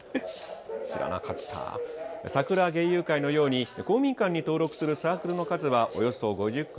さくら芸友会のように公民館に登録するサークルの数はおよそ５０組。